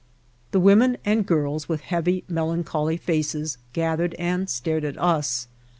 The women and girls, with heavy melancholy faces, gathered and stared at us.